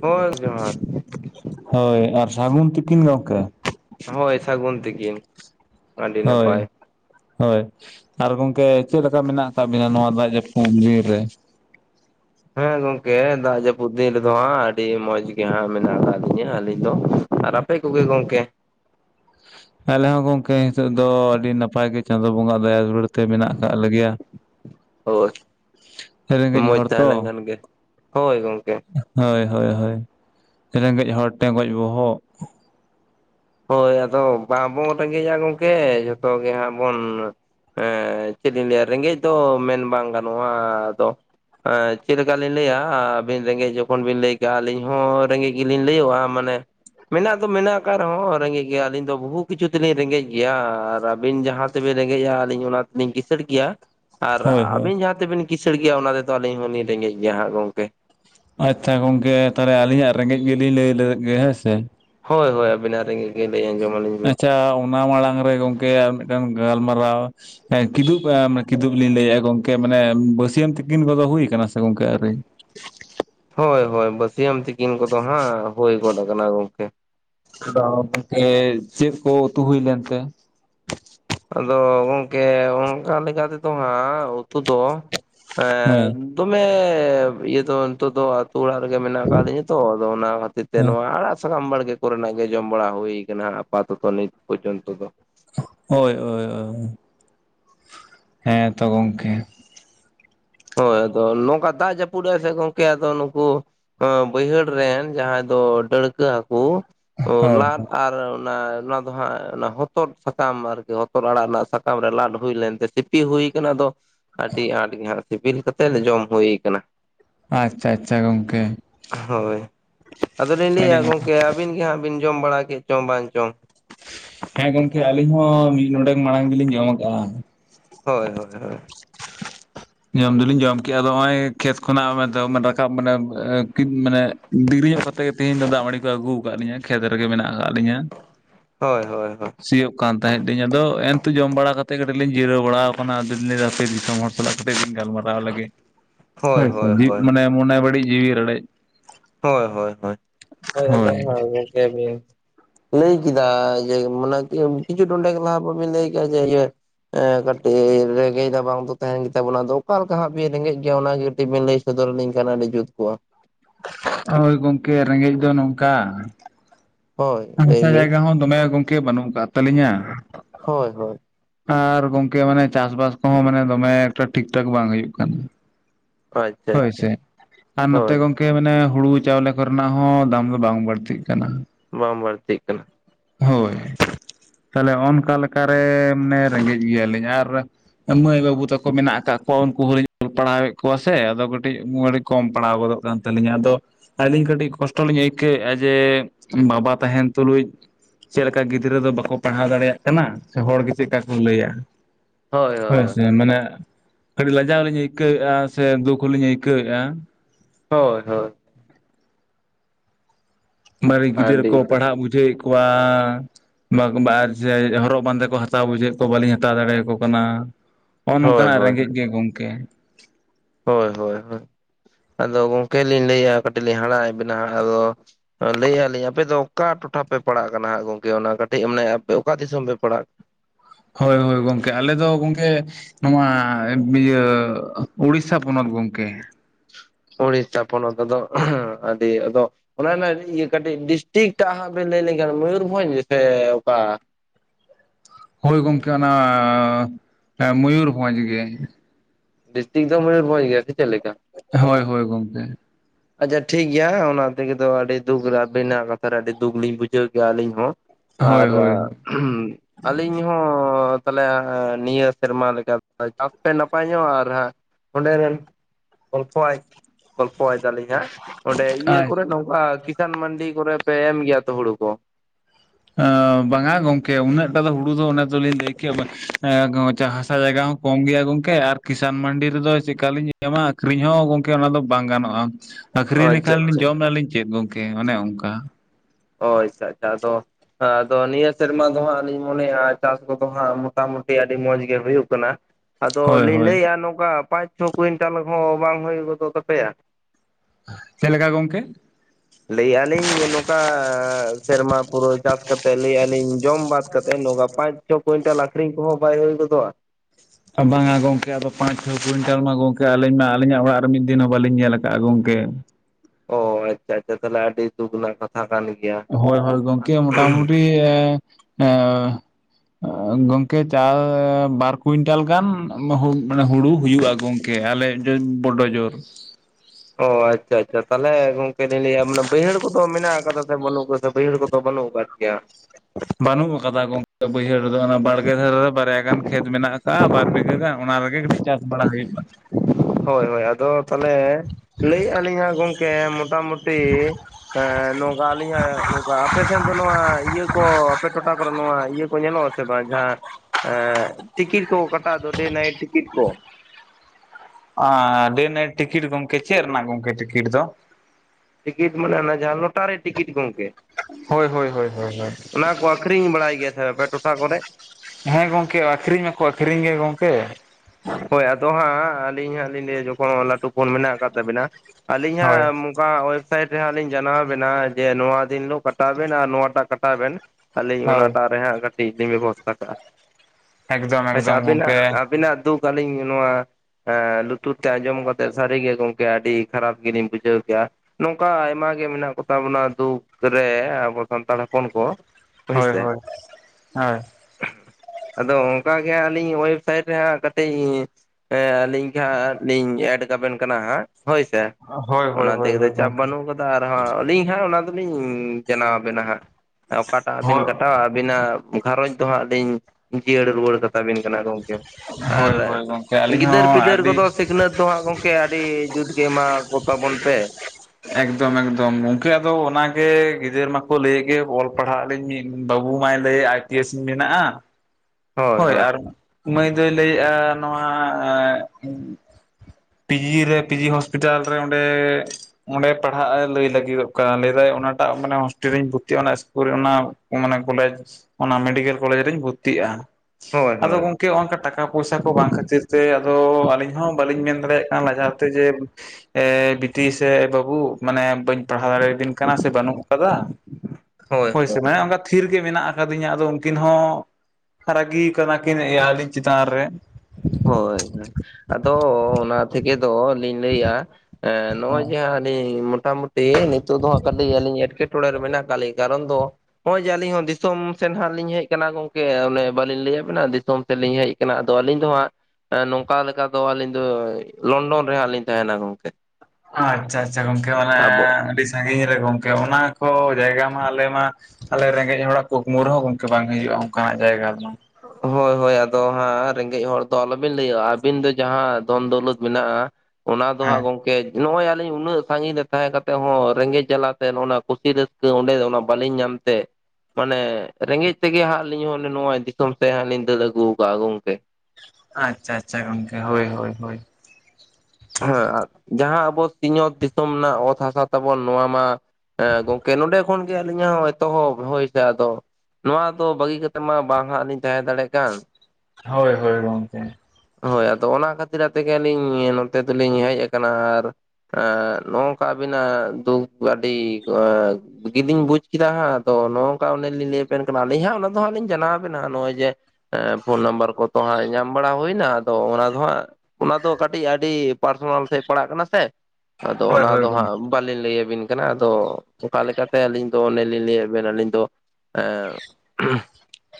ᱦᱳᱭ ᱡᱚᱦᱟᱨᱼᱼ ᱦᱳᱭ ᱟᱨ ᱥᱟᱹᱜᱩᱱ ᱛᱤᱠᱤᱱ ᱜᱚᱝᱠᱮ? ᱦᱳᱭ ᱥᱟᱹᱜᱩᱱ ᱛᱤᱠᱤᱱ᱾ ᱟᱹᱰᱤ ᱦᱳᱭ ᱱᱟᱯᱟᱭ ᱦᱳᱭ ᱟᱨ ᱜᱚᱢᱠᱮ ᱪᱮᱫ ᱞᱮᱠᱟ ᱢᱮᱱᱟᱜ ᱟᱠᱟᱟᱜ ᱵᱤᱱᱟ ᱱᱚᱣᱟ ᱫᱟᱜ ᱡᱟᱹᱯᱩᱫᱼᱼ ᱫᱤᱱ ᱨᱮ ᱦᱮᱸ ᱜᱚᱝᱠᱮ ᱫᱟᱜ ᱡᱟᱹᱯᱩᱫ ᱫᱤᱱ ᱨᱮᱫᱚ ᱦᱟᱸᱜ ᱟᱹᱰᱤ ᱢᱚᱸᱡᱽ ᱜᱮ ᱦᱟᱸᱜ ᱢᱮᱱᱟᱜ ᱟᱠᱟᱫ ᱞᱤᱧᱟ ᱟᱹᱞᱤᱧ ᱫᱚ᱾ ᱟᱨ ᱟᱯᱮ ᱠᱚᱜᱮ ᱜᱚᱝᱠᱮ? ᱟᱞᱮ ᱦᱚᱸ ᱜᱚᱝᱠᱮ ᱱᱤᱛᱳ ᱫᱚ ᱟᱹᱰᱤ ᱱᱟᱯᱟᱭ ᱜᱮ ᱪᱟᱸᱫᱳ ᱵᱚᱸᱜᱟ ᱫᱟᱭᱟ ᱫᱩᱟᱹᱲ ᱛᱮ ᱢᱮᱱᱟᱜ ᱟᱠᱟᱫ ᱞᱮᱜᱮᱭᱟ᱾ ᱦᱳᱭ ᱨᱮᱸᱜᱮᱡ ᱢᱚᱡᱽ ᱦᱚᱲ ᱛᱟᱦᱮᱸ ᱛᱚ ᱞᱮᱱᱠᱷᱟᱱ ᱜᱮ ᱦᱳᱭ ᱜᱚᱢᱠᱮᱼᱼ ᱦᱳᱭ ᱦᱳᱭ ᱦᱳᱭ ᱨᱮᱸᱜᱮᱡ ᱦᱚᱲ ᱴᱮᱸᱜᱚᱡ ᱵᱚᱦᱚᱜᱼᱼ ᱦᱳᱭ ᱟᱫᱚ ᱵᱟᱵᱚᱱ ᱨᱮᱸᱜᱮᱡᱼᱟ ᱜᱚᱢᱠᱮ ᱡᱷᱚᱛᱚ ᱜᱮ ᱦᱟᱸᱜ ᱵᱚᱱᱼᱼ ᱦᱮᱸ ᱪᱮᱫ ᱤᱧ ᱞᱟᱹᱭᱟ ᱨᱮᱸᱜᱮᱡ ᱫᱚ ᱢᱮᱱ ᱵᱟᱝ ᱜᱟᱱᱚᱜᱼᱟ ᱟᱫᱚ, ᱪᱮᱫ ᱞᱮᱠᱟ ᱞᱤᱧ ᱞᱟᱹᱭᱟ ᱟᱹᱵᱤᱱ ᱨᱮᱸᱜᱮᱡ ᱡᱚᱠᱷᱚᱱ ᱵᱤᱱ ᱞᱟᱹᱭ ᱠᱟᱜᱼᱟ ᱟᱹᱞᱤᱧ ᱦᱚᱸ ᱨᱮᱸᱜᱮᱡ ᱜᱮᱞᱤᱧ ᱞᱟᱹᱭᱜᱼᱟ ᱢᱟᱱᱮ, ᱢᱮᱱᱟᱜ ᱫᱚ ᱢᱮᱱᱟᱜ ᱟᱠᱟᱫ ᱨᱮᱦᱚᱸ ᱨᱮᱸᱜᱮᱡ ᱜᱮᱭᱟ ᱟᱹᱞᱤᱧ ᱫᱚ ᱵᱚᱦᱩ ᱠᱤᱪᱷᱩ ᱛᱮᱞᱤᱧᱸᱜᱮᱡ ᱜᱮᱭᱟ, ᱟᱨ ᱟᱹᱵᱤᱱ ᱡᱟᱦᱟᱸ ᱛᱮᱵᱤᱱ ᱨᱮᱸᱜᱮᱡᱼᱟ ᱟᱹᱞᱤᱧ ᱚᱱᱟ ᱠᱤᱥᱟᱹᱲ ᱜᱮᱭᱟ ᱟᱨ ᱦᱳᱭ ᱦᱳᱭ ᱟᱹᱵᱤᱱ ᱡᱟᱦᱟᱸ ᱛᱮᱵᱤᱱ ᱠᱤᱥᱟᱹᱬ ᱜᱮᱭᱟ ᱚᱱᱟ ᱛᱮᱫᱚ ᱟᱹᱞᱤᱧ ᱦᱚᱸᱞᱤᱧ ᱨᱮᱸᱜᱮᱡ ᱜᱮᱭᱟ ᱦᱟᱸᱜ ᱜᱚᱝᱠᱮ, ᱟᱪᱪᱷᱟ ᱜᱚᱝᱠᱮ, ᱛᱟᱦᱚᱞᱮ ᱟᱹᱞᱤᱧᱟᱜ ᱨᱮᱸᱜᱮᱡ ᱜᱮᱞᱤᱧ ᱞᱟᱹᱭ ᱞᱮᱜᱮ ᱦᱮᱸ ᱥᱮ, ᱦᱳᱭ, ᱦᱳᱭ, ᱟᱵᱤᱱᱟᱜ ᱨᱮᱸᱜᱮᱡ ᱜᱮ ᱞᱟᱹᱭ ᱟᱧᱡᱚᱢ ᱟᱞᱤᱧ ᱟᱪᱪᱷᱟ, ᱚᱱᱟ ᱢᱟᱲᱟᱝ ᱨᱮ ᱜᱚᱝᱠᱮ ᱟᱨ ᱢᱤᱫᱴᱟᱝ ᱜᱟᱞᱢᱟᱨᱟᱣ ᱦᱮᱸ ᱠᱤᱫᱩᱵ, ᱠᱤᱫᱩᱵ ᱞᱤᱧ ᱞᱟᱹᱭᱮᱫᱼᱟ ᱜᱚᱝᱠᱮ, ᱢᱟᱱᱮ ᱵᱟᱹᱥᱤᱭᱟᱹᱢ ᱛᱤᱠᱤᱱ ᱜᱚᱫᱚ ᱦᱩᱭ ᱠᱟᱱᱟ ᱥᱮ ᱜᱚᱝᱠᱮ ᱟᱹᱣᱨᱤ? [unintelligible] ᱦᱳᱭ, ᱦᱳᱭ ᱵᱟᱹᱥᱭᱢ ᱛᱤᱠᱤᱱ ᱠᱚᱫᱚ ᱦᱟᱸᱜ ᱦᱩᱭ ᱜᱚᱫ ᱟᱠᱟᱱᱟ ᱜᱚᱢᱠᱮ, ᱟᱫᱚ ᱜᱚᱝᱠᱮ ᱪᱮᱫ ᱠᱚ ᱩᱛᱩ ᱦᱩᱭ ᱞᱮᱱᱛᱮ? ᱟᱫᱚ ᱜᱚᱝᱠᱮ ᱚᱱᱠᱟ ᱞᱮᱠᱟ ᱛᱮᱫᱚ ᱦᱟᱸᱜ ᱩᱛᱩ ᱫᱚ, ᱮᱻ ᱦᱮᱸ ᱫᱚᱢᱮᱻᱤᱭᱟᱹ ᱫᱚ ᱱᱤᱛᱚᱜ ᱫᱚ, ᱛᱚ ᱚᱲᱟᱜ ᱨᱮᱜᱮ ᱢᱮᱱᱟᱜ ᱟᱠᱟᱫ ᱞᱤᱧᱟ ᱛᱚ, ᱟᱫᱚ ᱚᱱᱟ ᱠᱷᱟᱹᱛᱤᱨ ᱛᱮ ᱦᱮᱸ ᱱᱚᱣᱟ ᱟᱲᱟᱜ ᱥᱟᱠᱟᱢ ᱵᱟᱲᱜᱮ ᱠᱚᱨᱮᱱᱟᱜ ᱜᱮ ᱡᱚᱢ ᱵᱟᱲᱟ ᱦᱩᱭ ᱟᱠᱟᱱᱟ ᱟᱯᱟᱛᱚᱛᱚ ᱱᱤᱛ ᱯᱚᱨᱡᱚᱱᱛᱚ ᱫᱚ᱾ ᱦᱳᱭ ᱳᱭᱻᱳᱭ ᱦᱮᱸ ᱛᱚ ᱜᱚᱝᱠᱮ, ᱦᱳᱭ, ᱟᱫᱚ ᱱᱚᱝᱠᱟ ᱫᱟᱜ ᱡᱟᱹᱯᱩᱫ ᱨᱮ ᱥᱮ ᱜᱚᱢᱠᱮ ᱟᱫᱚ ᱱᱩᱠᱩ ᱵᱟᱹᱭᱦᱟᱹᱲ ᱨᱮᱱ ᱡᱟᱦᱟᱸᱭ ᱫᱚ ᱰᱟᱹᱲᱠᱟᱹ ᱦᱟᱹᱠᱩ, ᱦᱳᱭ ᱞᱟᱫ ᱦᱳᱭ ᱟᱨ ᱚᱱᱟ ᱞᱟ ᱫᱚᱦᱟᱸᱜ ᱚᱱᱟ ᱦᱚᱛᱚᱫ ᱥᱟᱠᱟᱢ ᱟᱨᱠᱤ ᱦᱚᱛᱚᱫ ᱟᱲᱟᱜ ᱨᱮᱱᱟᱜ ᱥᱟᱠᱟᱢ ᱨᱮ ᱞᱟᱫ ᱦᱩᱭ ᱞᱮᱱᱛᱮ ᱥᱤᱯᱤ ᱦᱩᱭ ᱠᱟᱱᱟ, ᱟᱫᱚ ᱟᱹᱰᱤ ᱟᱸᱴ ᱜᱮᱦᱟᱜ ᱥᱤᱵᱤᱞ ᱠᱟᱛᱮᱫ ᱡᱚᱢ ᱦᱩᱭ ᱠᱟᱱᱟ᱾ ᱟᱪᱪᱷᱟ ᱟᱪᱪᱷᱟ ᱜᱚᱝᱠᱮ ᱦᱳᱭ, ᱟᱫᱚᱞᱤᱧ ᱟᱹᱰᱤ ᱞᱟᱹᱭᱮᱜᱟ ᱜᱚᱝᱠᱮ, ᱵᱤᱱ ᱜᱮ ᱦᱟᱸᱜ ᱵᱤᱱ ᱡᱚᱢ ᱵᱟᱲᱟ ᱠᱮᱫ ᱪᱚᱝ ᱵᱟᱝ ᱪᱚᱝ? ᱦᱮᱸ ᱜᱚᱝᱠᱮ ᱟᱹᱞᱤᱧ ᱦᱚᱸ ᱢᱤᱫ ᱱᱚᱰᱮᱠ ᱢᱟᱲᱟᱝ ᱜᱮᱞᱤᱧ ᱡᱚᱢ ᱠᱟᱜᱼᱟ᱾ ᱦᱳᱭ, ᱦᱳᱭ, ᱦᱳᱭ ᱡᱚᱢ ᱫᱚᱞᱤᱧ ᱡᱚᱢ ᱠᱮᱜᱼᱟ, ᱟᱫᱚ ᱱᱚᱜᱼᱚᱭ ᱠᱷᱮᱛ ᱠᱷᱚᱱᱟᱜ ᱢᱮᱱᱛᱮ ᱨᱟᱠᱟᱵ ᱢᱟᱱᱮ ᱠᱟᱹᱡ ᱢᱟᱱᱮ ᱫᱮᱨᱤ ᱧᱚᱜ ᱠᱟᱛᱮᱜ ᱜᱮ ᱛᱦᱤᱧ ᱫᱚ ᱫᱟᱜ ᱢᱟᱹᱰᱤ ᱠᱚ ᱟᱹᱜᱩ ᱟᱠᱟᱫ ᱞᱤᱧᱟ, ᱠᱷᱮᱛ ᱨᱮᱜᱮ ᱢᱮᱱᱟᱜ ᱟᱠᱟᱫ ᱞᱤᱧᱟᱹ᱾ ᱦᱳᱭ, ᱦᱳᱭ, ᱦᱳᱭ, ᱥᱤᱭᱳᱜ ᱠᱟᱱ ᱛᱟᱦᱮᱸᱫ ᱟᱞᱤᱧ, ᱟᱫᱚ ᱮᱱᱛᱩ ᱡᱚᱢ ᱵᱟᱲᱟ ᱠᱟᱛᱮᱫ ᱠᱟᱹᱴᱤᱡ ᱞᱤᱧ ᱡᱤᱨᱟᱹᱣ ᱵᱟᱲᱟᱣ ᱟᱠᱟᱱᱟ ᱟᱫᱚ ᱞᱤᱧ ᱦᱟᱯᱮ ᱫᱤᱥᱚᱢ ᱦᱚᱲ ᱥᱟᱞᱟᱜ ᱠᱟᱹᱴᱤᱡ ᱞᱤᱧ ᱜᱟᱞᱢᱟᱨᱟᱣ ᱞᱮᱜᱮ ᱦᱳᱭ ᱦᱚᱭ, ᱦᱳᱭ ᱦᱳᱭ ᱢᱟᱱᱮ ᱢᱚᱱᱮ ᱵᱟᱹᱲᱤᱡ ᱡᱤᱣᱤ ᱨᱟᱲᱮᱡᱽ᱾ ᱦᱳᱭ, ᱦᱳᱭ, ᱦᱳᱭ ᱦᱮᱸ ᱟᱫᱚ ᱦᱟᱸᱜ ᱚᱱᱠᱟ ᱜᱮ ᱞᱟᱹᱭ ᱠᱮᱫᱟᱭ ᱡᱮ ᱢᱟᱱᱮ ᱠᱤᱪᱷᱩ ᱴᱚᱱᱰᱮᱠ ᱞᱟᱦᱟ ᱵᱟᱹᱵᱤᱱ ᱞᱟᱹᱭ ᱠᱮᱜᱟ ᱡᱮ ᱤᱭᱟᱹ ᱮ ᱠᱟᱹᱴᱤᱡ ᱨᱮᱸᱜᱮᱡ ᱨᱟᱵᱟᱝ ᱫᱚ ᱛᱟᱦᱮᱸᱱ ᱜᱮᱛᱟᱵᱚᱱᱟ, ᱟᱫᱚ ᱚᱠᱟ ᱞᱮᱠᱟ ᱦᱟᱸᱜ ᱵᱤᱱ ᱨᱮᱸᱜᱮᱡ ᱜᱮᱭᱟ ᱚᱱᱟᱜᱮ ᱠᱟᱹᱴᱤᱡ ᱵᱤᱱ ᱞᱟᱹᱭ ᱥᱚᱫᱚᱨ ᱟᱞᱤᱧ ᱠᱷᱟᱱ ᱟᱹᱰᱤ ᱡᱩᱛ ᱠᱚᱜᱼᱟ᱾ ᱦᱳᱭ ᱜᱚᱝᱠᱮ ᱨᱮᱸᱜᱮᱡ ᱫᱚ ᱱᱚᱝᱠᱟ, ᱦᱳᱭ ᱞᱟᱹᱭ ᱦᱟᱥᱟ ᱵᱤᱱ ᱡᱟᱭᱜᱟ ᱦᱚᱸ ᱫᱚᱢᱮ ᱜᱚᱝᱠᱮ ᱵᱟᱹᱱᱩᱜ ᱠᱟᱜ ᱛᱟᱹᱞᱤᱧᱟ, ᱦᱳᱭ ᱦᱳᱭ ᱟᱨ ᱜᱚᱝᱠᱮ ᱢᱟᱱᱮ ᱪᱟᱥᱵᱟᱥ ᱠᱚᱦᱚᱸ ᱢᱟᱱᱮ ᱫᱚᱢᱮ ᱮᱠᱴᱟ ᱴᱷᱤᱠ ᱴᱷᱟᱠ ᱵᱟᱝ ᱦᱤᱭᱩᱜ ᱠᱟᱱᱟ᱾ ᱟᱪᱪᱷᱟ ᱦᱳᱭ ᱟᱪᱪᱷᱟ ᱥᱮ ᱟᱨ ᱱᱚᱛᱮ ᱦᱳᱭ ᱜᱚᱝ ᱠᱮ ᱢᱟᱱᱮ ᱦᱩᱲᱩ ᱪᱟᱣᱞᱮ ᱠᱚᱨᱮᱱᱟᱜ ᱦᱚᱸ ᱫᱟᱢ ᱫᱚ ᱵᱟᱝ ᱵᱟᱹᱲᱛᱤᱜ ᱠᱟᱱᱟ᱾ ᱵᱟᱝ ᱵᱟᱲᱛᱤᱜ ᱠᱟᱱᱟ᱾ ᱦᱳᱭ, ᱛᱟᱦᱞᱮ ᱚᱱᱠᱟ ᱞᱮᱠᱟᱨᱮ ᱢᱟᱱᱮ, ᱨᱮᱸᱜᱮᱡ ᱜᱮᱭᱟᱞᱤᱧ ᱟᱨ ᱢᱟᱹᱭ ᱵᱟᱹᱵᱩ ᱛᱟᱠᱚ ᱢᱮᱱᱟᱜ ᱟᱠᱟᱫᱼᱼ ᱩᱱᱠᱩ ᱦᱚᱸᱞᱤᱧ ᱚᱞ ᱯᱟᱲᱦᱟᱣᱮᱫ ᱠᱚᱣᱟ ᱥᱮ ᱟᱫᱚ ᱠᱟᱹᱴᱤᱡ ᱟᱹᱰᱤ ᱠᱚᱢ ᱯᱟᱲᱦᱟᱣ ᱜᱚᱫᱚᱜ ᱠᱟᱱ ᱛᱟᱹᱞᱤᱧᱟ ᱟᱫᱚᱼᱼ ᱟᱹᱞᱤᱧ ᱠᱟᱹᱴᱤᱡ ᱠᱚᱥᱴᱚ ᱞᱤᱧ ᱟᱹᱭᱠᱟᱹᱣᱮᱜᱼᱟ ᱡᱮ ᱵᱟᱵᱟ ᱛᱟᱦᱮᱸᱱ ᱛᱩᱞᱩᱡᱼᱼ ᱪᱮᱫ ᱞᱮᱠᱟ ᱜᱤᱫᱽᱨᱟᱹ ᱫᱚ ᱵᱟᱠᱚ ᱯᱟᱲᱦᱟᱣ ᱫᱟᱲᱮᱭᱟᱜ ᱠᱟᱱᱟ ᱥᱮ ᱦᱚᱲᱜ ᱪᱮᱫ ᱞᱮᱠᱟ ᱠᱚ ᱞᱟᱹᱭᱼᱟ᱾ ᱦᱳᱭᱼᱦᱳᱭ ᱦᱮᱸᱥᱮ ᱢᱟᱱᱮ ᱠᱟᱹᱴᱤᱡ ᱞᱟᱡᱟᱣᱞᱤᱧ ᱟᱹᱭᱠᱟᱹᱣᱮᱜᱼᱟ ᱥᱮ ᱫᱩᱠ ᱦᱚᱞᱤᱧ ᱟᱹᱭᱠᱟᱹᱣᱮᱜᱼᱟ᱾ ᱦᱳᱭ ᱦᱳᱭ᱾ ᱢᱟᱨᱮ ᱜᱤᱫᱽᱨᱟᱹ ᱟᱹᱰᱤ ᱠᱚ ᱯᱟᱲᱦᱟᱜ ᱵᱩᱡᱷᱟᱹᱣᱮᱫ ᱠᱚᱣᱟ᱾ ᱵᱟᱨ ᱥᱮᱫ ᱦᱚᱨᱚᱜ ᱵᱟᱸᱫᱮ ᱠᱚ ᱦᱟᱛᱟᱣ ᱵᱩᱡᱷᱟᱹᱣᱮᱫ ᱠᱚᱣᱟ ᱵᱟᱹᱞᱤᱧ ᱦᱟᱛᱟᱣ ᱫᱟᱲᱮᱭᱟᱠᱚ ᱠᱟᱱᱟ᱾ ᱱᱚᱜᱚ ᱦᱳᱭ ᱱᱚᱝᱠᱟᱱᱟᱜ ᱦᱳᱭ ᱨᱮᱸᱜᱮᱡ ᱜᱮ ᱜᱚᱝᱠᱮ, ᱦᱳᱭ ᱦᱳᱭ ᱦᱳᱭ ᱟᱫᱚ ᱜᱚᱝᱠᱮ ᱞᱤᱧ ᱞᱟᱹᱭᱟ ᱠᱟᱹᱴᱤᱡ ᱞᱤᱧ ᱦᱟᱲᱟᱣᱮᱫ ᱵᱮᱱᱟᱜ ᱟᱫᱚᱼᱼ ᱞᱟᱹᱭᱮᱜᱼᱟ ᱞᱤᱧ ᱟᱯᱮ ᱫᱚ ᱚᱠᱟ ᱴᱚᱴᱷᱟ ᱯᱮ ᱯᱟᱲᱟᱜ ᱠᱟᱱᱟ ᱦᱟᱸᱜ ᱜᱚᱝᱠᱮ ᱚᱱᱟ ᱠᱟᱹᱴᱤᱡ ᱢᱟᱱᱮ ᱟᱯᱮ ᱚᱠᱟ ᱫᱤᱥᱚᱢ ᱯᱮ ᱯᱟᱲᱦᱟᱜᱼᱼ ᱦᱳᱭᱼᱦᱳᱭ ᱜᱚᱝᱠᱮ ᱟᱞᱮ ᱫᱚ ᱜᱚᱝᱠᱮᱼᱼ ᱱᱚᱣᱟ ᱤᱭᱟᱹ ᱲᱤᱥᱥᱟ ᱯᱚᱱᱚᱛ ᱜᱚᱢᱠᱮ ᱩᱰᱤᱥᱟ ᱯᱚᱱᱚᱛ ᱫᱚ ᱟᱹᱰᱤ ᱟᱫᱚᱼᱼ ᱚᱱᱟ ᱨᱮᱱᱟᱜ ᱤᱭᱟᱹ ᱠᱟᱹᱴᱤᱡ ᱰᱤᱥᱴᱤᱠ ᱴᱟᱜ ᱦᱟᱸᱜ ᱵᱮᱱ ᱞᱟᱹᱭ ᱞᱮᱠᱷᱟᱱ ᱢᱚᱭᱩᱨᱵᱷᱚᱸᱡᱽ ᱥᱮ ᱚᱠᱟ? ᱦᱳᱭ ᱜᱚᱝᱠᱮ ᱚᱱᱟ ᱢᱚᱭᱩᱨᱵᱷᱚᱸᱡᱽ ᱜᱮ᱾ ᱰᱤᱥᱴᱤᱠ ᱫᱚ ᱢᱚᱭᱩᱨᱵᱷᱚᱸᱡᱽ ᱜᱮᱭᱟ ᱥᱮ ᱪᱮᱫ ᱞᱮᱠᱟ? ᱦᱳᱭᱼᱦᱳᱭ ᱜᱚᱢᱠᱮ [inaudible] ᱟᱪᱪᱷᱟ ᱴᱷᱤᱠ ᱜᱮᱭᱟ ᱚᱱᱟ ᱛᱮᱜᱮ ᱛᱚ ᱟᱹᱰᱤ ᱫᱩᱠ ᱨᱮ ᱟᱹᱵᱤᱱᱟᱜ ᱠᱟᱛᱷᱟ ᱨᱮ ᱟᱹᱰᱤ ᱫᱩᱠᱞᱤᱧ ᱵᱩᱡᱷᱟᱹᱣ ᱠᱮᱼᱟ ᱟᱹᱞᱤᱧ ᱦᱚᱸᱼᱼ ᱦᱳᱭ ᱟᱨ ᱦᱳᱭ ᱟᱹᱞᱤᱧ ᱦᱚᱸᱼᱼ ᱛᱟᱞᱮ ᱱᱤᱭᱟᱹ ᱥᱮᱨᱢᱟ ᱞᱮᱠᱟ ᱪᱟᱥ ᱯᱮ ᱱᱟᱯᱟᱭᱼᱼ ᱟᱨ ᱦᱟᱸᱜ ᱚᱸᱰᱮ ᱨᱮᱱ ᱜᱚᱞᱯᱷᱚ ᱟᱡᱼᱼ ᱜᱚᱞᱯᱚᱭ ᱫᱟᱞᱤᱧ ᱦᱟᱸᱜ ᱚᱸᱰᱮ ᱤᱭᱟᱹ ᱟᱪ ᱠᱚᱨᱮ ᱱᱚᱝᱠᱟ ᱠᱤᱥᱟᱱ ᱢᱟᱱᱰᱤ ᱠᱚᱨᱮ ᱯᱮ ᱮᱢ ᱜᱮᱭᱟ ᱛᱚ ᱦᱩᱲᱩ ᱠᱚᱼᱼ [inaudible] ᱟᱸ ᱵᱟᱝᱟ ᱜᱚᱝᱠᱮ ᱩᱱᱟᱹᱜ ᱴᱟ ᱫᱚ ᱦᱩᱲᱩ ᱫᱚ ᱚᱱᱟ ᱫᱚᱞᱤᱧ ᱞᱟᱹᱭᱠᱮᱭᱟ ᱜ ᱦᱟᱥᱟ ᱡᱟᱭᱜᱟ ᱦᱚᱸ ᱠᱚᱢ ᱜᱮᱭᱟ ᱜᱚᱝᱠᱮ ᱟᱨᱼᱼ ᱠᱤᱥᱟᱱ ᱢᱟᱱᱰᱤ ᱨᱮᱫᱚ ᱪᱮᱫᱠᱟᱞᱤᱧ ᱮᱢᱟ ᱟᱹᱠᱷᱨᱤᱧ ᱦᱚᱸ ᱜᱚᱢᱠᱮ ᱚᱱᱟ ᱫᱚ ᱵᱟᱝ ᱜᱟᱱᱚᱜᱼᱟ᱾ ᱟᱹᱠᱷᱨᱤᱧ ᱟᱪᱪᱷᱟ ᱞᱮᱠᱷᱟᱱ ᱟᱪᱪᱷᱟ ᱡᱚᱢ ᱱᱟᱞᱤᱧ ᱪᱮᱫ ᱜᱚᱝᱠᱮ ᱚᱱᱮ ᱚᱱᱠᱟ᱾ ᱳᱭ ᱟᱪᱪᱷᱟ ᱟᱪᱪᱷᱟ ᱟᱫᱚᱼᱼ ᱟᱫᱚ ᱱᱤᱭᱟᱹ ᱥᱮᱨᱢᱟ ᱫᱚ ᱦᱟᱸᱜ ᱞᱤᱧ ᱢᱚᱱᱮᱜᱼᱟ ᱪᱟᱥ ᱠᱚᱫᱚ ᱦᱟᱸᱜ ᱢᱚᱴᱟᱢᱩᱴᱤ ᱟᱹᱰᱤ ᱢᱚᱸᱡᱽ ᱜᱮ ᱦᱩᱭᱩᱜ ᱠᱟᱱᱟ᱾ ᱟᱫᱚ ᱦᱳᱭ ᱞᱤᱧ ᱦᱳᱭ ᱞᱟᱹᱭᱮᱫᱼᱟ ᱱᱚᱝᱠᱟ ᱯᱟᱸᱪ ᱪᱷᱚ ᱠᱩᱭᱤᱱᱴᱟᱞ ᱦᱚᱸ ᱵᱟᱝ ᱦᱩᱭ ᱜᱚᱫᱚᱜ ᱛᱟᱯᱮᱭᱟ? ᱪᱮᱫ ᱞᱮᱠᱟ ᱜᱚᱝᱠᱮ? ᱞᱟᱹᱭᱮᱫᱼᱟ ᱞᱤᱧ ᱱᱚᱝᱠᱟ ᱥᱮᱨᱢᱟ ᱯᱩᱨᱟᱹ ᱪᱟᱥ ᱠᱟᱛᱮᱫ ᱞᱟᱹᱭᱮᱫᱼᱟ ᱞᱤᱧ ᱡᱚᱢ ᱵᱟᱫᱛᱮᱫ ᱱᱚᱝᱠᱟ ᱯᱟᱸᱪᱼᱼ ᱪᱷᱚ ᱠᱩᱭᱤᱱᱴᱟᱞ ᱟᱠᱷᱨᱤᱧ ᱠᱚᱦᱚᱸ ᱵᱟᱭ ᱦᱩᱭ ᱜᱚᱫᱚᱜᱼᱟ᱾ ᱵᱟᱝᱼᱟ ᱜᱚᱢᱠᱮ ᱟᱫᱚ ᱯᱟᱸᱪ ᱪᱷᱚ ᱠᱩᱭᱱᱴᱟᱞ ᱢᱟ ᱜᱚᱢᱠᱮ ᱟᱹᱞᱤᱧ ᱢᱟ ᱟᱹᱞᱤᱧᱟᱜ ᱚᱲᱟᱜ ᱨᱮ ᱢᱤᱫ ᱫᱤᱱ ᱦᱚᱸ ᱵᱟᱹᱞᱤᱧ ᱧᱮᱞ ᱟᱠᱟᱜᱼᱟ ᱜᱚᱢᱠᱮ? ᱚ ᱟᱪᱪᱷᱟ ᱟᱪᱪᱷᱟ ᱛᱟᱦᱞᱮ ᱟᱹᱰᱤ ᱫᱩᱠ ᱨᱮᱱᱟᱜ ᱠᱟᱛᱷᱟ ᱠᱟᱱ ᱜᱮᱭᱟ᱾ ᱦᱳᱭ ᱦᱳᱭ ᱜᱚᱝᱠᱮ [unintelligible] [inaudible] ᱮᱸ ᱜᱚᱝᱠᱮ ᱪᱟᱨ ᱵᱟᱨ ᱠᱩᱭᱱᱴᱟᱞ ᱜᱟᱱ ᱦᱩᱲᱩ ᱦᱩᱭᱩᱜᱼᱟ ᱜᱚᱝᱠᱮᱼᱼ ᱟᱞᱮ ᱵᱳᱰ ᱡᱳᱨ ᱚ ᱟᱪᱪᱷᱟ ᱟᱪᱪᱷᱟ ᱛᱟᱦᱚᱞᱮ ᱜᱚᱝᱠᱮ ᱞᱤᱧ ᱞᱟᱹᱭᱟ ᱵᱟᱹᱭᱦᱟᱹᱲ ᱠᱚᱫᱚ ᱢᱮᱱᱟᱜ ᱟᱠᱟᱫᱟ ᱥᱮ ᱵᱟᱹᱱᱩᱜᱼᱼ ᱵᱟᱭᱦᱟᱲ ᱠᱚᱫᱚ ᱵᱟᱱᱳᱦ ᱠᱟᱜ ᱜᱮᱭᱟ? ᱵᱟᱹᱱᱩᱜ ᱟᱠᱟᱫᱟ ᱜᱚᱝᱠᱮ ᱵᱟᱹᱭᱦᱟᱹᱲ ᱨᱮᱫᱚ ᱚᱱᱟ ᱵᱟᱲᱜᱮ ᱫᱷᱟᱨᱮ ᱨᱮ ᱵᱟᱨᱭᱟ ᱜᱟᱱ ᱠᱷᱮᱛ ᱢᱮᱱᱟᱜ ᱟᱠᱟᱫᱟ ᱵᱟᱨ ᱵᱤᱜᱷᱟᱹ ᱜᱟᱱᱼᱼ ᱚᱱᱟ ᱨᱮᱜᱮ ᱠᱟᱹᱴᱤᱡ ᱪᱟᱥ ᱵᱟᱲᱟ ᱦᱩᱭᱩᱜᱼᱟ᱾ [unintelligible] ᱦᱳᱭ ᱦᱳᱭ ᱟᱫᱚ ᱛᱟᱦᱚᱞᱮ ᱞᱟᱹᱭ ᱮᱜ ᱟᱞᱤᱧ ᱦᱟᱸᱜ ᱜᱚᱝᱠᱮᱼᱼ ᱮ ᱢᱚᱴᱟᱢᱩᱴᱤ ᱱᱚᱝᱠᱟ ᱟᱹᱞᱤᱧᱟᱜ ᱱᱚᱝᱠᱟ, ᱟᱯᱮᱥᱮᱫ ᱫᱚ ᱱᱚᱣᱟᱼᱼ ᱤᱭᱟᱹ ᱠᱚ ᱟᱯᱮ ᱴᱚᱴᱷᱟ ᱠᱚᱨᱮ ᱱᱚᱣᱟ ᱤᱭᱟᱹᱼᱼ ᱧᱮᱞᱚᱜ ᱟᱥᱮ ᱵᱟᱝ ᱡᱟᱦᱟᱸ ᱟ ᱴᱤᱠᱤᱴ ᱠᱚ ᱚᱠᱟᱴᱟᱜ ᱫᱚ ᱰᱮ ᱱᱟᱭᱤᱴ ᱴᱤᱠᱤᱴ ᱠᱚ ᱾ ᱟ ᱰᱮ ᱱᱟᱭᱤᱴ ᱴᱤᱠᱤᱴ ᱜᱚᱢᱠᱮ ᱪᱮᱫ ᱨᱮᱱᱟᱜ ᱜᱚᱢᱠᱮ ᱴᱤᱠᱤᱴ ᱫᱚ? ᱴᱤᱠᱤᱴ ᱢᱟᱱᱮ ᱚᱱᱟ ᱡᱟᱦᱟᱸ ᱞᱚᱴᱟᱨᱤ ᱴᱤᱠᱤᱴ ᱜᱚᱢᱠᱮ ᱾ ᱦᱳᱭ ᱦᱳᱭ ᱦᱳᱭ ᱦᱳᱭ ᱦᱳᱭ ᱾ ᱚᱱᱟ ᱠᱚ ᱟᱹᱠᱷᱨᱤᱧ ᱵᱟᱲᱟᱭ ᱜᱮᱭᱟ ᱥᱮ ᱟᱯᱮ ᱴᱚᱴᱷᱟ ᱠᱚᱨᱮ? ᱦᱮᱸ ᱜᱚᱝᱠᱮ ᱟᱹᱠᱷᱨᱤᱧ ᱢᱟᱠᱚ ᱟᱹᱠᱷᱨᱤᱧ ᱜᱮ ᱜᱚᱝᱠᱮ ᱾ ᱦᱳᱭ ᱟᱫᱚ ᱦᱟᱸᱜ ᱟᱹᱞᱤᱧ ᱦᱟᱸᱜ ᱞᱤᱧ ᱞᱟᱹᱭᱟ ᱡᱚᱠᱷᱚᱱ ᱞᱟᱹᱴᱩ ᱯᱷᱚᱱ ᱢᱮᱱᱟᱜ ᱟᱠᱟᱫ ᱛᱟᱵᱤᱱᱟ, ᱟᱹᱞᱤᱧ ᱦᱟᱸᱜᱼᱼ ᱦᱳᱭ ᱦᱚᱸ ᱳᱭᱮᱵᱽᱥᱟᱭᱤᱴ ᱨᱮ ᱦᱟᱸᱜ ᱞᱤᱧ ᱡᱟᱱᱟᱣ ᱟᱵᱮᱱᱟ ᱡᱮ ᱱᱚᱣᱟ ᱫᱤᱱ ᱦᱤᱞᱳᱜ ᱠᱟᱴᱟᱣ ᱵᱮᱱ, ᱟᱨ ᱱᱚᱣᱟᱴᱟᱜ ᱠᱟᱴᱟᱣ ᱵᱮᱱ ᱾ ᱟᱹᱞᱤᱧ ᱦᱳᱭ ᱚᱱᱟᱴᱟᱜ ᱨᱮ ᱦᱟᱸᱜ ᱠᱟᱹᱴᱤᱡ ᱞᱤᱧ ᱵᱮᱵᱚᱥᱛᱷᱟ ᱠᱟᱜᱼᱟ ᱾ ᱮᱠᱫᱚᱢ ᱟᱪᱪᱷᱟ ᱮᱠᱫᱚᱢ ᱟᱹᱵᱤᱱᱟᱜ, ᱜᱚᱝᱠᱮ ᱟᱹᱵᱤᱱᱟᱜ ᱫᱩᱠ ᱟᱹᱞᱤᱧ ᱱᱚᱣᱟᱼᱼ ᱦᱮᱸ ᱞᱩᱛᱩᱨ ᱛᱮ ᱟᱸᱡᱚᱢ ᱠᱟᱛᱮᱜ ᱥᱟᱹᱨᱤ ᱜᱮ ᱜᱚᱝᱠᱮ ᱟᱹᱰᱤ ᱠᱷᱟᱨᱟᱯ ᱜᱮᱞᱤᱧ ᱵᱩᱡᱷᱟᱹᱣ ᱠᱮᱜᱼᱟ ᱾ ᱱᱚᱝᱠᱟ ᱟᱭᱢᱟ ᱜᱮ ᱢᱮᱱᱟᱜ ᱠᱚ ᱛᱟ ᱵᱚᱱᱟ ᱫᱩᱠ ᱨᱮ ᱟᱵᱚ ᱥᱟᱱᱛᱟᱲ ᱦᱚᱯᱚᱱ ᱠᱚᱼᱼ ᱦᱳᱭ ᱦᱳᱭ, ᱦᱳᱭ ᱾ ᱟᱫᱚ ᱚᱱᱠᱟ ᱜᱮ ᱦᱟᱸᱜ ᱟᱹᱞᱤᱧ ᱳᱭᱮᱵᱽᱥᱟᱭᱤᱴ ᱨᱮ ᱦᱟᱸᱜ ᱠᱟᱹᱴᱤᱡᱼᱼ ᱟᱹᱞᱤᱧ ᱠᱷᱟᱡ ᱦᱟᱸᱜ ᱞᱤᱧ ᱮᱰ ᱠᱟᱵᱤᱱ ᱠᱟᱱᱟ ᱦᱟᱸᱜ ᱾ ᱦᱳᱭᱥᱮ, ᱦᱳᱭ ᱦᱳᱭ ᱚᱱᱟᱛᱮ ᱦᱳᱭ ᱦᱳᱭ ᱪᱟᱯ ᱜᱚᱝᱠᱮ ᱵᱟᱱᱩᱜ ᱠᱟᱫᱟ ᱟᱨᱦᱚᱸ ᱟᱹᱞᱤᱧᱼᱼ ᱦᱮᱸ ᱚᱱᱟ ᱫᱚᱞᱤᱧ ᱡᱟᱱᱟᱣ ᱟᱵᱮᱱᱟ ᱦᱟᱸᱜ, ᱚᱠᱟᱴᱟᱜ ᱵᱤᱱ ᱦᱳᱭ ᱠᱟᱴᱟᱣᱟ ᱟᱹᱵᱤᱱᱟᱜᱼᱼ ᱜᱷᱟᱸᱨᱚᱡᱽ ᱫᱚ ᱦᱟᱸᱜ ᱞᱤᱧ, ᱡᱤᱭᱟᱹᱲ ᱨᱩᱣᱟᱹᱲ ᱠᱟᱛᱟ ᱵᱤᱱᱟ ᱾ ᱦᱚᱭ ᱜᱚᱝᱠᱮ, ᱟᱨ ᱦᱳᱭ ᱦᱳᱭ ᱜᱚᱝᱠᱮ ᱟᱹᱞᱤᱧ ᱜᱤᱫᱟᱹᱨ ᱦᱚᱸ ᱯᱤᱫᱟᱹᱨ ᱟᱹᱰᱤ ᱠᱚᱫᱚ ᱥᱤᱠᱷᱱᱟᱹᱛ ᱫᱚ ᱦᱟᱸᱜ ᱜᱚᱢᱼᱼ ᱠᱮ ᱟᱹᱰᱤ ᱡᱩᱛ ᱜᱮ ᱮᱢᱟ ᱠᱚ ᱛᱟᱵᱚᱱ ᱯᱮ ᱾ ᱮᱠᱫᱚᱢ ᱮᱠᱫᱚᱢ, ᱜᱚᱝᱠᱮ ᱟᱫᱚ ᱚᱱᱟᱜᱮ ᱜᱤᱫᱟᱹᱨ ᱢᱟᱠᱚ ᱞᱟᱹᱭᱮᱫ ᱜᱮ ᱚᱞ ᱯᱟᱲᱦᱟᱜ ᱟᱹᱞᱤᱧᱼᱼ ᱵᱟᱹᱵᱩ ᱢᱟᱭ ᱞᱟᱹᱭ ᱮᱫ ᱟᱭ ᱯᱤ ᱮᱥ ᱤᱧ ᱵᱮᱱᱟᱜᱼᱟ ᱾ ᱦᱳᱭ ᱟᱨ ᱢᱟᱹᱭ ᱫᱚᱭ ᱞᱟᱹᱭ ᱮᱫᱼᱟ ᱱᱚᱣᱟ ᱮᱼᱼ ᱯᱤᱡᱤ ᱨᱮ ᱯᱤᱡᱤ ᱦᱚᱥᱯᱤᱴᱟᱞ ᱨᱮ ᱚᱸᱰᱮᱼᱼ ᱚᱸᱰᱮ ᱯᱟᱲᱦᱟᱜ ᱮ ᱞᱟᱹᱭ ᱞᱟᱹᱜᱤᱫᱚᱜ ᱠᱟᱱᱟ, ᱞᱟᱹᱭ ᱫᱟᱭ ᱚᱱᱟ ᱴᱟᱜ ᱢᱟᱱᱮ ᱦᱳᱥᱴᱮᱞ ᱨᱤᱧ ᱵᱷᱩᱨᱛᱤᱜᱼᱟ ᱚᱱᱟ ᱤᱥᱠᱩᱞ ᱨᱮ ᱚᱱᱟᱼᱼ ᱢᱟᱱᱮ ᱠᱚᱞᱮᱡᱽ ᱚᱱᱟ ᱢᱮᱰᱤᱠᱮᱞ ᱠᱚᱞᱮᱡᱽ ᱨᱤᱧ ᱵᱷᱩᱨᱛᱤᱜᱼᱟ ᱦᱳᱭ ᱾ ᱟᱫᱚ ᱦᱳᱭ ᱜᱚᱝᱠᱮ ᱱᱚᱸᱝᱠᱟ ᱴᱟᱠᱟ ᱯᱚᱭᱥᱟ ᱠᱚ ᱵᱟᱝ ᱠᱷᱟᱹᱛᱤᱨ ᱛᱮ ᱟᱫᱚ ᱟᱹᱞᱤᱧ ᱦᱚᱸ ᱵᱟᱹᱞᱤᱧ ᱢᱮᱱᱼᱼ ᱨᱮᱜ ᱟᱭ ᱞᱟᱡᱟᱣᱛᱮ ᱡᱮᱼᱼ ᱮ ᱵᱤᱴᱤ ᱥᱮ ᱵᱟᱹᱵᱩ ᱢᱟᱱᱮ ᱵᱟᱹᱧ ᱯᱟᱲᱦᱟᱣ ᱫᱟᱲᱮᱭᱟᱵᱤᱱ ᱠᱟᱱᱟ ᱥᱮ ᱵᱟᱹᱱᱩᱜ ᱟᱠᱟᱫᱟ ᱾ [inaudible] ᱦᱚᱭ ᱦᱳᱭ ᱥᱮ ᱦᱮᱸ [unintelligible] ᱛᱷᱤᱨ ᱜᱮ ᱢᱮᱱᱟᱜ ᱟᱠᱟᱫᱤᱧᱟ ᱟᱫᱚ ᱩᱱᱠᱤᱱ ᱦᱚᱸ ᱯᱷᱟᱨᱟᱹᱜᱤ ᱠᱟᱱᱟ ᱠᱤᱱ [unintelligible] ᱟᱹᱞᱤᱧ ᱪᱮᱛᱟᱱ ᱨᱮ ᱾ ᱦᱳᱭ ᱦᱳᱭ, ᱟᱫᱚ ᱚᱱᱟ ᱛᱮᱜᱮ ᱫᱚ ᱞᱤᱧ ᱞᱟᱹᱭᱟᱼᱼ ᱮᱸ ᱱᱚᱜᱼᱚᱭ ᱦᱚᱸ ᱡᱮ ᱟᱹᱞᱤᱧ ᱢᱚᱴᱟ ᱢᱩᱴᱤ ᱱᱤᱛᱚᱜ ᱫᱚ ᱦᱟᱸᱜ ᱠᱟᱹᱴᱤᱡ ᱟᱹᱞᱤᱧ ᱮᱴᱠᱮᱴᱼᱼ ᱴᱚᱬᱮ ᱨᱮ ᱢᱮᱱᱟᱜ ᱟᱠᱟᱫ ᱞᱮᱭ ᱠᱟᱨᱚᱱ ᱫᱚᱼᱼ ᱱᱚᱜᱼᱚᱭ ᱡᱮ ᱟᱹᱞᱤᱧ ᱦᱚᱸ ᱫᱤᱥᱚᱢ ᱥᱮᱱ ᱦᱟᱸᱜ ᱞᱤᱧ ᱦᱮᱡ ᱟᱠᱟᱱᱟ ᱜᱚᱝᱠᱮ, ᱚᱱᱮ ᱵᱟᱹᱞᱤᱧ ᱞᱟᱹᱭᱟ ᱵᱤᱱᱟ ᱫᱤᱥᱚᱢᱼᱼ ᱥᱮ ᱞᱤᱧ ᱦᱮᱡ ᱟᱠᱟᱱᱟ ᱟᱫᱚ ᱟᱹᱞᱤᱧ ᱫᱚ ᱦᱟᱸᱜᱼᱼ ᱱᱚᱝᱠᱟ ᱞᱮᱠᱟ ᱫᱚ ᱟᱹᱞᱤᱧ ᱫᱚ ᱞᱚᱱᱰᱚᱱ ᱨᱮ ᱦᱟᱸᱜ ᱞᱤᱧ ᱛᱟᱸᱦᱮᱱᱟ ᱜᱚᱝᱠᱮ ᱾ ᱟᱪᱪᱷᱟ ᱟᱪᱪᱷᱟ ᱜᱚᱝᱠᱮ, ᱢᱟᱱᱮ ᱟᱹᱰᱤ ᱥᱟᱺᱜᱤᱧ ᱨᱮ ᱜᱚᱢᱠᱮ ᱚᱱᱟ ᱠᱚ ᱡᱟᱭᱜᱟ ᱢᱟ ᱟᱞᱮ ᱢᱟᱼᱼ ᱟᱞᱮ ᱨᱮᱸᱜᱮᱡ ᱦᱚᱲᱟᱜ ᱠᱩᱠᱢᱩ ᱨᱮᱦᱚᱸ ᱜᱚᱝᱠᱮ ᱵᱟᱝ ᱦᱤᱡᱩᱜᱼᱟ ᱚᱱᱠᱟᱱᱟᱜ ᱡᱟᱭᱜᱟ ᱨᱮᱫᱚ ᱾ ᱦᱳᱭ ᱦᱳᱭ, ᱟᱫᱚ ᱦᱟᱸᱜ ᱨᱮᱸᱜᱮᱡ ᱦᱚᱲ ᱫᱚ ᱟᱞᱚᱵᱤᱱ ᱞᱟᱹᱭᱟ ᱟᱹᱵᱤᱱ ᱫᱚ ᱡᱟᱦᱟᱸ ᱫᱷᱚᱱ ᱫᱚᱣᱞᱚᱛ ᱢᱮᱱᱟᱜᱼᱟᱼᱼ ᱚᱱᱟ ᱫᱚ ᱦᱮᱸ ᱦᱟᱸᱜ ᱜᱚᱝᱠᱮᱼᱼ ᱱᱚᱜᱼᱚᱭ, ᱟᱹᱞᱤᱧ ᱩᱱᱟᱹᱜ ᱥᱟᱺᱜᱤᱧ ᱨᱮ, ᱛᱟᱦᱮᱸ ᱠᱟᱛᱮ ᱦᱚᱸ, ᱨᱮᱸᱜᱮᱡ ᱡᱟᱞᱟᱛᱮ, ᱱᱚᱜᱼᱱᱟ ᱠᱩᱥᱤ ᱨᱟᱹᱥᱠᱟᱹ, ᱚᱸᱰᱮ ᱚᱱᱟ ᱵᱟᱹᱞᱤᱧ ᱧᱟᱢᱛᱮ, ᱢᱟᱱᱮ, ᱨᱮᱸᱜᱮᱡ ᱛᱮᱜᱮ ᱦᱟᱸᱜ, ᱟᱹᱞᱤᱧ ᱦᱚᱸ ᱱᱚᱜ ᱫᱤᱥᱚᱢ ᱛᱮ ᱦᱟᱸᱜ, ᱞᱤᱧ ᱫᱟᱹᱲ ᱟᱹᱜᱩ ᱟᱠᱟ-ᱟ ᱜᱚᱝᱠᱮ ᱾ ᱟᱪᱪᱷᱟ, ᱟᱪᱪᱷᱟ ᱜᱚᱝᱠᱮ, ᱦᱳᱭ ᱦᱳᱭ ᱦᱳᱭ ᱾ ᱦᱮᱸ, ᱡᱟᱦᱟᱸ ᱟᱵᱚ, ᱥᱤᱧᱚᱛ ᱫᱤᱥᱚᱢ ᱨᱮᱱᱟᱜ, ᱚᱛ ᱦᱟᱥᱟ ᱛᱟᱵᱚᱱ, ᱱᱚᱣᱟ ᱢᱟ ᱦᱮᱸᱼ, ᱜᱚᱝᱠᱮ, ᱱᱚᱰᱮ ᱠᱷᱚᱱ ᱜᱮ, ᱟᱹᱞᱤᱧᱟᱜ ᱦᱚᱸ, ᱮᱛᱚᱦᱚᱵ ᱦᱳᱭ ᱥᱮ ᱟᱫᱚ ᱱᱚᱣᱟ ᱫᱚ, ᱵᱟᱹᱜᱤ ᱠᱟᱛᱮᱫ ᱢᱟ, ᱵᱟᱝ ᱦᱟᱸᱜ, ᱞᱤᱧ ᱛᱟᱦᱮᱸ, ᱫᱟᱲᱮᱭᱟᱜ ᱠᱟᱱ ᱾ ᱦᱳᱭ ᱦᱳᱭ, ᱜᱚᱝᱠᱮ! ᱦᱳᱭ ᱟᱫᱚ, ᱚᱱᱟ ᱠᱷᱟᱹᱛᱤᱨ ᱟᱛᱮ ᱜᱮ, ᱟᱹᱞᱤᱧ ᱱᱚᱛᱮ ᱫᱚᱞᱤᱧ, ᱦᱮᱡ ᱟᱠᱟᱱᱟ, ᱟᱨ ᱮᱸᱼ ᱱᱚᱝᱠᱟ ᱟᱹᱵᱤᱱᱟᱜ, ᱫᱩᱠ ᱟᱹᱰᱤ [unintelligible] ᱵᱩᱡ ᱜᱮᱞᱤᱧ, ᱵᱩᱡ ᱠᱮᱫᱟ ᱦᱟᱸᱜ, ᱱᱚᱜᱝᱠᱟ ᱚᱱᱮᱞᱤᱧ ᱞᱟᱹᱭ ᱟᱵᱮᱱ ᱠᱟᱱᱟ, ᱟᱹᱞᱤᱧ ᱦᱟᱸᱜ, ᱚᱱᱟ ᱫᱚ ᱦᱟᱸᱜ, ᱞᱤᱧ ᱡᱟᱱᱟᱣ ᱟᱵᱮᱱᱟ, ᱱᱚᱜᱼᱚᱭ ᱡᱮ, ᱯᱷᱳᱱ ᱱᱟᱢᱵᱟᱨ ᱠᱚᱫᱚ ᱦᱟᱸᱜ, ᱧᱟᱢ ᱵᱟᱲᱟ ᱦᱩᱭ ᱮᱱᱟ, ᱟᱫᱚ, ᱚᱱᱟ ᱫᱚ ᱦᱟᱸᱜ, ᱚᱱᱟ ᱫᱚ ᱠᱟᱹᱴᱤᱡ, ᱟᱡ ᱟᱹᱰᱤ ᱯᱟᱨᱥᱚᱱᱟᱞ ᱥᱮᱫ ᱯᱟᱲᱟᱜ ᱠᱟᱱᱟ ᱥᱮ, ᱟᱫᱚ, ᱦᱳᱭ ᱚᱱᱟ ᱦᱳᱭ ᱫᱚ ᱜᱚᱝᱠᱮ ᱦᱟᱸᱜ, ᱵᱟᱹᱞᱤᱧ ᱞᱟᱹᱭ ᱟᱵᱤᱱ ᱠᱟᱱᱟ ᱟᱫᱚ, ᱚᱠᱟ ᱞᱮᱠᱟᱛᱮ, ᱟᱹᱞᱤᱧ ᱫᱚ ᱚᱱᱮ ᱞᱤᱧ ᱞᱟᱹᱣ ᱟᱜ ᱵᱮᱱᱟ ᱞᱤᱧ ᱫᱚ ᱮᱸᱼᱚᱸᱜ, ᱩᱸᱻᱜ-ᱷᱩᱢ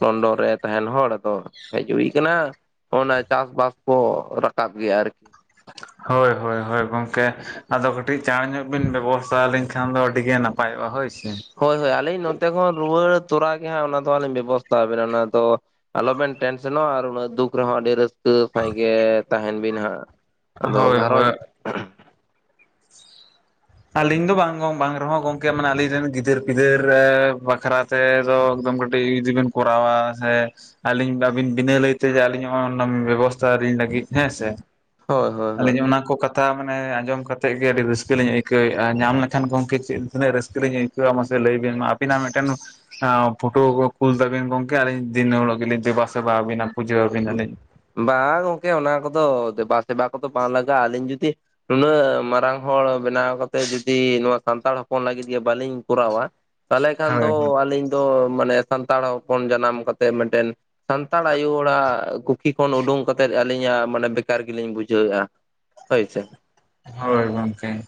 ᱞᱚᱱᱰᱚᱱ ᱨᱮ ᱛᱟᱦᱮᱱ ᱦᱚᱲ, ᱟᱫᱚ ᱦᱮᱡ ᱦᱩᱭ ᱟᱠᱟᱱᱟ ᱾ ᱚᱱᱟ, ᱪᱟᱥᱵᱟᱥ ᱠᱚ, ᱨᱟᱠᱟᱵ ᱜᱮᱭᱟ ᱟᱨᱠᱤ ᱾ ᱦᱳᱭ, ᱦᱳᱭ ᱦᱳᱭ ᱜᱚᱝᱠᱮ, ᱟᱫᱚ, ᱠᱟᱹᱴᱤᱡ ᱪᱟᱬ ᱧᱚᱜ, ᱵᱤᱱ ᱵᱮᱵᱚᱥᱛᱷᱟ ᱞᱤᱧ ᱠᱷᱟᱱ ᱫᱚ, ᱟᱹᱰᱤ ᱜᱮ ᱱᱟᱯᱟᱭ ᱱᱟᱯᱟᱭᱚᱜᱼᱟ, ᱦᱳᱭ ᱥᱮ ᱾ ᱦᱳᱭ ᱦᱳᱭ, ᱟᱹᱞᱤᱧ ᱱᱚᱛᱮ ᱠᱷᱚᱱ, ᱨᱩᱣᱟᱹᱲ ᱛᱚᱨᱟ ᱜᱮ ᱦᱟᱸᱜ, ᱚᱱᱟ ᱫᱚ, ᱟᱹᱞᱤᱧ ᱵᱮᱵᱚᱥᱛᱷᱟ ᱟᱵᱮᱱᱟ, ᱚᱱᱟ ᱫᱚ ᱟᱞᱚᱵᱮᱱ ᱴᱮᱱᱥᱮᱱᱚᱜᱼᱟ, ᱟᱨ ᱩᱱᱟᱹᱜ ᱫᱩᱠ ᱨᱮᱦᱚᱸ, ᱟᱹᱰᱤ ᱨᱟᱹᱥᱠᱟᱹ ᱥᱟᱦᱤᱸᱡ ᱜᱮ, ᱛᱟᱦᱮᱱ ᱵᱤᱱ ᱦᱟᱸᱜ ᱾᱾ ᱟᱫᱚ, ᱦᱳᱭ ᱜᱷᱟᱨᱚᱸᱡᱽ ᱦᱳᱭ ᱟᱞᱤᱧ ᱫᱚ ᱵᱟᱝ ᱜᱚᱸᱝ ᱵᱟᱝ ᱨᱮᱦᱚᱸ ᱜᱚᱝᱠᱮ, ᱢᱟᱱᱮ, ᱟᱹᱞᱤᱧ ᱨᱮᱱ ᱜᱤᱫᱟᱹᱨ ᱯᱤᱫᱟᱹᱨ ᱵᱟᱠᱷᱨᱟ ᱛᱮ ᱫᱚ, ᱮᱠᱫᱚᱢ ᱠᱟᱹᱴᱤᱡ, ᱤᱡᱤ ᱵᱤᱱ ᱠᱚᱨᱟᱣᱟ, ᱦᱮ ᱟᱹᱞᱤᱧ ᱟᱹᱵᱤᱱ ᱵᱤᱱᱟᱹ ᱞᱟᱹᱭ ᱛᱮ ᱡᱮ, ᱟᱹᱞᱤᱧ ᱱᱚᱜ ᱚᱱᱟ, ᱵᱮᱵᱚᱥᱛᱷᱟ ᱟᱹ ᱞᱤᱧ ᱞᱟᱹᱜᱤᱫ ᱦᱮᱸᱥᱮ ᱦᱳᱭ ᱦᱳᱭ ᱾ ᱦᱳᱭ ᱟᱹᱞᱤᱧ ᱚᱱᱟ ᱠᱚ, ᱠᱟᱛᱷᱟ ᱢᱟᱱᱮ ᱟᱸᱡᱚᱢ ᱠᱟᱛᱮᱫ ᱜᱮ, ᱟᱹᱰᱤ ᱨᱟᱹᱥᱠᱟᱹ ᱞᱤᱧ ᱟᱹᱭ ᱠᱟᱹᱹ ᱭᱮᱜᱼᱟ, ᱧᱟᱢ ᱞᱮᱠᱷᱟᱱ ᱜᱚᱝᱠᱮ, ᱪᱮᱫ ᱛᱤᱱᱟᱹᱜ ᱨᱟᱹᱥᱠᱟᱹ ᱞᱤᱧ, ᱟᱹᱭᱠᱟᱹᱣᱟ ᱢᱟᱥᱮ ᱞᱟᱹᱭ ᱵᱤᱱ, ᱢᱟ ᱟᱹᱵᱤᱱᱟᱜ ᱢᱤᱫᱴᱮᱱ ᱯᱷᱳᱴᱳ ᱠᱚ, ᱠᱩᱞ ᱛᱟᱵᱤᱱ ᱜᱚᱝᱠᱮ, ᱟᱹᱞᱤᱧ ᱫᱤᱱ ᱦᱤᱞᱳᱜ ᱜᱮᱞᱤᱧ, ᱫᱮᱵᱟ ᱥᱮᱵᱟ ᱟᱹᱵᱤᱱᱟ ᱯᱩᱡᱟᱹ ᱟᱹᱵᱤᱱᱟᱞᱤᱧ ᱾ ᱵᱟᱝ ᱜᱚᱝᱠᱮ! ᱚᱱᱟ ᱠᱚᱫᱚ ᱫᱮᱵᱟᱥᱵᱟ ᱠᱚᱫᱚ ᱵᱟᱝ ᱞᱟᱜᱟᱜᱼᱟ ᱾ ᱟᱹᱞᱤᱧ ᱡᱩᱫᱤ, ᱱᱩᱱᱟᱹᱜ ᱢᱟᱨᱟᱝ ᱦᱚᱲ ᱵᱮᱱᱟᱣ ᱠᱟᱛᱮᱫ, ᱡᱩᱫᱤ ᱱᱚᱣᱟ ᱥᱟᱱᱛᱟᱲ ᱦᱚᱯᱚᱱ ᱞᱟᱹᱜᱤᱫ ᱜᱮ, ᱵᱟᱹᱞᱤᱧ ᱠᱚᱨᱟᱣᱟ ᱛᱟᱦᱚᱞᱮ ᱠᱷᱟᱱ ᱦᱳᱭ ᱫᱚ, ᱟᱹᱞᱤᱧ ᱫᱚ ᱢᱟᱱᱮ, ᱥᱟᱱᱛᱟᱲ ᱦᱚᱯᱚᱱ ᱡᱟᱱᱟᱢ ᱠᱟᱛᱮᱜ, ᱢᱤᱫᱴᱮᱱ ᱥᱟᱱᱛᱟᱲ ᱟᱭᱩ ᱦᱚᱲᱟᱜ ᱠᱩᱠᱷᱤ ᱠᱷᱚᱱ, ᱩᱰᱩᱠ ᱠᱟᱛᱮᱜ ᱟᱹᱞᱤᱧᱟᱜ, ᱢᱟᱱᱮ, ᱵᱮᱠᱟᱨ ᱜᱮᱞᱤᱧ ᱵᱩᱡᱷᱟᱹᱣ ᱮᱼᱟ, ᱦᱳᱭᱥᱮ ᱾ ᱦᱳᱭ ᱜᱚᱝᱠᱮ ᱾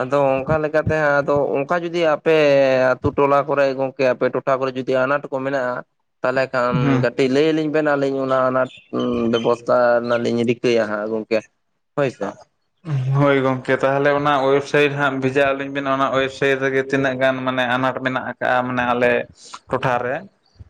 ᱟᱫᱚ, ᱚᱱᱠᱟ ᱞᱮᱠᱟᱛᱮ ᱦᱟᱸᱜ, ᱟᱫᱚ ᱚᱱᱠᱟ ᱡᱩᱫᱤ? ᱟ, ᱯᱮ ᱟᱹᱛᱩ ᱴᱚᱞᱟ ᱠᱚᱨᱮ, ᱜᱚᱝᱠᱮ ᱟᱯᱮ ᱴᱚᱴᱷᱟ ᱠᱚᱨᱮ, ᱡᱩᱫᱤ ᱟᱱᱟᱴ ᱠᱚ ᱢᱮᱱᱟᱜᱼᱟ, ᱛᱟᱦᱚᱞᱮ ᱠᱷᱟᱱ ᱦᱩᱸ ᱜᱟ ᱠᱟᱹᱴᱤᱡ ᱞᱟᱹᱭ ᱟᱹᱞᱤᱧ ᱵᱮᱱ, ᱟᱹᱞᱤᱧ ᱚᱱᱟ, ᱚᱱᱟᱴ ᱵᱮᱵᱚᱥᱛᱷᱟ ᱨᱮᱱᱟᱜ ᱞᱤᱧ ᱨᱤᱠᱟᱹᱭᱟ ᱦᱟᱸᱜ, ᱜᱚᱢᱠᱮ ᱾ ᱟᱼᱦᱟᱜ [unintelligible] ᱟᱪᱷᱟ ᱦᱳᱭ ᱜᱚᱢᱠᱮ, ᱛᱟᱦᱚᱞᱮ, ᱚᱱᱟ ᱳᱭᱮᱵᱽᱥᱟᱭᱤᱴ ᱦᱟᱸᱜ, ᱵᱷᱮᱡᱟ ᱟᱹᱞᱤᱧ ᱵᱮᱱ, ᱚᱱᱟ ᱭᱮᱵᱽᱥᱟᱭᱤᱴ ᱨᱮᱜᱮ, ᱛᱤᱱᱟᱹᱜ ᱜᱟᱱ ᱢᱟᱱᱮ, ᱟᱱᱟᱴ ᱢᱮᱱᱟᱜᱼᱟ ᱾ ᱢᱟᱱᱮ, ᱟᱞᱮ ᱴᱚᱴᱷᱟ ᱨᱮ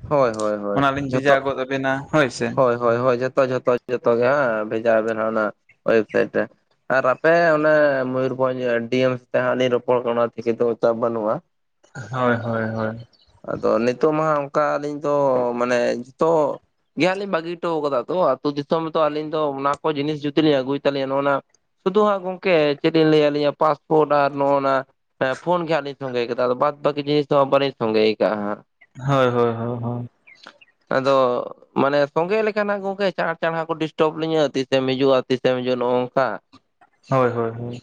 ᱦᱳᱭ ᱦᱳᱭ ᱾ ᱦᱳᱭ ᱚᱱᱟ ᱞᱤᱧ, ᱡᱷᱚᱛᱚ ᱵᱷᱮᱡᱟ ᱜᱚᱫ ᱟᱵᱤᱱᱟ, ᱦᱳᱭ ᱥᱮ ᱾ ᱦᱳᱭ, ᱦᱳᱭ, ᱡᱚᱛᱚ, ᱡᱚᱛᱚ ᱡᱚᱛᱚᱜ ᱜᱮ, ᱦᱮᱸ, ᱵᱷᱮᱡᱟ ᱵᱮᱱ, ᱚᱱᱟ ᱳᱭᱮᱵᱥᱟᱭᱤᱴ ᱨᱮ ᱾ ᱟᱨ, ᱟᱯᱮ ᱚᱱᱮ, ᱢᱚᱭᱩᱨᱵᱷᱚᱸᱡᱽ ᱰᱤ ᱮᱢᱥ ᱛᱮᱦᱟᱸ ᱞᱤᱧ, ᱨᱚᱯᱚᱲ ᱠᱟᱱᱟ ᱾ ᱚᱱᱟ ᱛᱷᱮᱠᱮ ᱫᱚ, ᱪᱟᱯ ᱵᱟᱹᱱᱩᱜᱼᱟ ᱾ ᱦᱳᱭ, ᱦᱳᱭ ᱦᱳᱭ ᱾ ᱟᱫᱚ ᱱᱤᱛᱚᱜ ᱢᱟ ᱚᱱᱠᱟ ᱟᱹᱞᱤᱧ ᱫᱚ ᱢᱟᱱᱮ ᱡᱚᱛᱚ ᱜᱮᱭᱟᱱᱞᱤᱧ ᱵᱟᱹᱜᱤ ᱦᱚᱴᱚ ᱠᱟᱫᱟ ᱛᱚ ᱟᱛᱳ ᱫᱤᱥᱚᱢ ᱨᱮᱛᱚ ᱟᱹᱞᱤᱧ ᱫᱚ ᱚᱱᱟ ᱠᱚ ᱡᱤᱱᱤᱥ ᱡᱩᱫᱤ ᱞᱤᱧ ᱟᱹᱜᱩᱭ ᱛᱟᱞᱧᱭᱟ ᱱᱚᱜᱼᱱᱟ ᱥᱩᱫᱷᱩ ᱦᱟᱸᱜ ᱜᱚᱝᱠᱮ ᱪᱮᱫ ᱞᱤᱧ ᱞᱟᱹᱭᱟᱞᱤᱧᱟ ᱯᱟᱥᱯᱳᱨᱴ ᱟᱨ ᱱᱚᱜᱼᱚᱱᱟ ᱦᱮᱸ ᱯᱷᱳᱱ ᱜᱮᱜ ᱞᱤᱧ ᱥᱚᱸᱜᱮ ᱠᱟᱫᱟ ᱟᱫᱚ ᱵᱟᱫ ᱵᱟᱹᱠᱤ ᱡᱤᱱᱤᱥ ᱫᱚ ᱵᱟᱹᱞᱤᱧ ᱥᱚᱸᱜᱮ ᱠᱟᱜᱼᱟ ᱦᱟᱸᱜ᱾ ᱦᱳᱭ ᱦᱳᱭ ᱦᱳᱭ ᱦᱳᱭ᱾ ᱟᱫᱚ ᱢᱟᱱᱮ ᱥᱚᱸᱜᱮ ᱞᱮᱠᱟ ᱱᱟᱜ ᱜᱚᱝᱠᱮ ᱪᱟᱟᱨ ᱪᱟᱲᱦᱟ ᱠᱚ ᱰᱤᱥᱴᱟᱵ ᱞᱤᱧᱟᱹ ᱛᱤᱥᱮᱢ ᱦᱤᱡᱩᱜᱼᱟ ᱛᱤᱥᱮᱢ ᱦᱤᱡᱩᱜᱼᱟ ᱱᱚᱜᱼᱚ ᱱᱚᱝᱠᱟ᱾ ᱦᱳᱭ ᱦᱳᱭ ᱦᱳᱭ᱾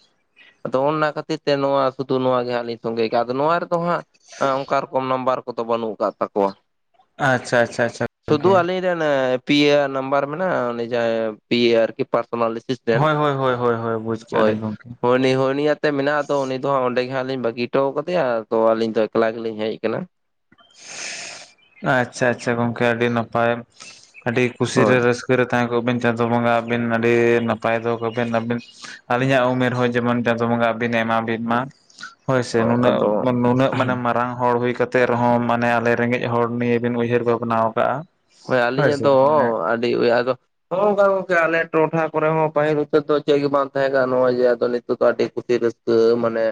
ᱟᱫᱚ ᱚᱱᱟ ᱠᱷᱟᱹᱛᱤᱨ ᱛᱮ ᱱᱚᱣᱟ ᱥᱩᱫᱩ ᱱᱚᱣᱟ ᱜᱮ ᱦᱟᱸᱜ ᱞᱧ ᱥᱚᱸᱜᱮ ᱠᱟᱜᱼᱟ ᱟᱫᱚ ᱱᱚᱣᱟ ᱨᱮᱫᱚ ᱦᱟᱸᱜ ᱦᱮᱸ ᱚᱱᱠᱟ ᱨᱚᱠᱚᱢ ᱱᱟᱢᱵᱟᱨ ᱠᱚᱫᱚ ᱵᱟᱹᱱᱩᱜ ᱟᱠᱟᱜ ᱛᱟᱠᱚᱣᱟ᱾ ᱟᱪᱪᱷᱟ ᱟᱪᱪᱷᱟ ᱪᱷᱟ ᱜᱚᱝᱠᱮ᱾ ᱚᱱᱮ ᱯᱤ ᱟᱨ ᱱᱟᱢᱵᱟᱨ ᱢᱮᱱᱟᱜᱼᱟ ᱡᱟᱸ ᱯᱤ ᱟᱨ ᱠᱤ ᱯᱟᱨᱥᱚᱱᱟᱞ ᱮᱥᱤᱥ ᱦᱳᱭ ᱦᱳᱭ ᱦᱳᱭ ᱦᱳᱭᱳᱭ ᱵᱩᱡ ᱠᱮᱫᱼᱟᱞᱤᱧ ᱜᱚᱢᱠᱮ᱾ ᱱᱤᱦ ᱱᱤᱭᱟᱛᱮ ᱢᱮᱱᱟᱜ ᱟᱫᱚ ᱩᱱ ᱫᱚ ᱦᱜ ᱚᱸᱰᱮ ᱜᱮ ᱦᱟᱸᱟᱜ ᱞᱤᱧ ᱵᱟᱹᱜᱤ ᱦᱚᱴᱚ ᱟᱠᱟᱫᱮᱭᱟ ᱛᱚ ᱟᱹᱞᱤᱧ ᱫᱚ ᱮᱠᱞᱟ ᱜᱮᱞᱤᱧ ᱦᱮᱡ ᱟᱠᱟᱱᱟ᱾ ᱟᱪᱪᱷᱟ ᱟᱪᱪᱷᱟ ᱜᱚᱝᱠᱮ ᱟᱹᱰᱤ ᱱᱟᱯᱟᱭ ᱟᱹᱰᱤ ᱠᱩᱥᱤ ᱦᱳᱭ ᱨᱮ ᱨᱟᱹᱥ ᱥᱠᱤᱨ ᱛᱟᱦᱮᱸ ᱠᱚᱜ ᱵᱤᱱ ᱪᱟᱸᱫᱳ ᱵᱚᱸᱜᱟ ᱟᱹᱵᱤᱱ ᱟᱹᱰᱤ ᱱᱟᱯᱟᱭ ᱫᱚᱦᱚ ᱠᱚᱵᱤᱱ ᱟᱹᱵᱤᱱ ᱟᱹᱞᱤᱧᱟᱜ ᱩᱢᱮᱨ ᱦᱚᱸ ᱡᱮᱢᱚᱱ ᱪᱟᱸᱫᱳ ᱵᱚᱸᱜᱟ ᱟᱵᱤᱱ ᱮ ᱮᱢᱟ ᱵᱤᱱ ᱢᱟ᱾ ᱦᱳᱭᱥᱮ ᱟᱫᱚ ᱱᱩᱱᱟᱹᱜ ᱱᱩᱱᱟᱹᱜ ᱢᱟᱱᱮ ᱢᱟᱨᱟᱝ ᱦᱚᱲ ᱦᱩᱭ ᱠᱟ ᱨᱮᱦᱚᱸ ᱢᱟᱱᱮ ᱟᱞᱮ ᱨᱮᱸᱜᱮᱡ ᱦᱚᱲ ᱱᱤᱭᱮ ᱵᱤᱱ ᱩᱭᱦᱟᱹᱨ ᱵᱷᱟᱵᱽᱱᱟᱣ ᱟᱠᱟᱜᱼᱟ ᱾ ᱦᱳᱭ ᱟᱹᱞᱤᱧᱟᱜ ᱫᱚ ᱟᱹᱰᱤ ᱟᱫᱚ ᱦᱚᱝᱠᱟ ᱜᱚᱝᱠᱮ ᱟᱞᱮ ᱴᱚᱴᱷᱟ ᱠᱚᱨᱮ ᱦᱚᱸ ᱯᱟᱹᱦᱤᱞ ᱩᱪᱟᱹ ᱫᱚ ᱪᱮᱫ ᱜᱮ ᱵᱟᱝ ᱛᱟᱦᱮᱸ ᱠᱟᱱᱟ ᱱᱚᱜᱼᱚᱭ ᱡᱮ ᱟᱫᱚ ᱱᱤᱛᱚᱜ ᱫᱚ ᱟᱹᱰᱤ ᱠᱩᱥᱤ ᱨᱟᱹᱥᱠᱟᱹ᱾ ᱠᱟᱹ ᱢᱟᱱᱮ